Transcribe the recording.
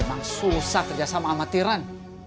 memang susah kerjasama sama tiran